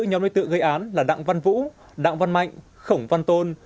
nhóm đối tượng gây án là đặng văn vũ đặng văn mạnh khổng văn tôn